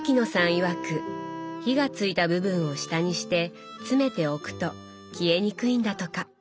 いわく火がついた部分を下にして詰めて置くと消えにくいんだとか。